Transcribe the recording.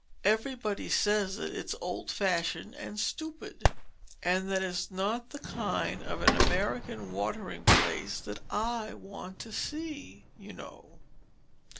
Everybody says that it is old fashioned and stupid; and that is not the kind of an American watering place that I want to see, you know.